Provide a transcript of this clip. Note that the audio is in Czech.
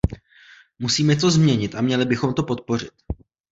Musíme to změnit a měli bychom to podpořit.